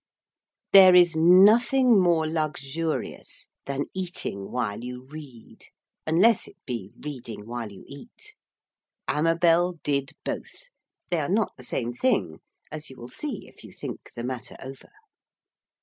There is nothing more luxurious than eating while you read unless it be reading while you eat. Amabel did both: they are not the same thing, as you will see if you think the matter over.